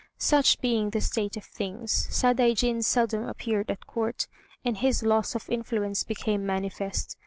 Such being the state of things, Sadaijin seldom appeared at Court, and his loss of influence became manifest.